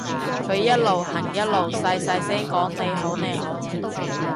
佢一路行一路細細聲講你好你好